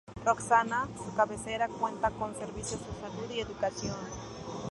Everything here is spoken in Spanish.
Roxana, su cabecera, cuenta con servicios de salud y educación.